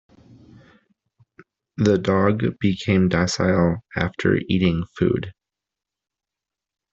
The dog became docile after eating food.